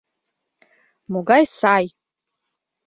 Могай сай